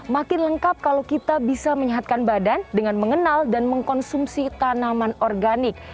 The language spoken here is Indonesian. makin lengkap kalau kita bisa menyehatkan badan dengan mengenal dan mengkonsumsi tanaman organik